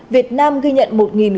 việt nam ghi nhận